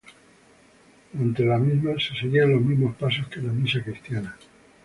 Durante la misma se seguían los mismos pasos que en la misa cristiana.